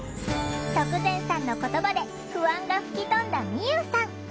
徳善さんの言葉で不安が吹き飛んだみゆうさん。